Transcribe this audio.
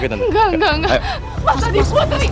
enggak enggak masa di putri